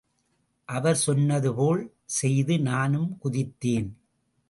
அவர் சொன்னதுபோல் செய்து நானும் குதித்தேன்.